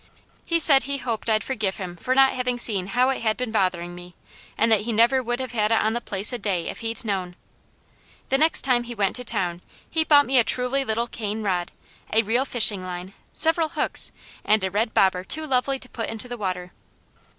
He said he hoped I'd forgive him for not having seen how it had been bothering me, and that he never would have had it on the place a day if he'd known. The next time he went to town he bought me a truly little cane rod, a real fishing line, several hooks, and a red bobber too lovely to put into the water.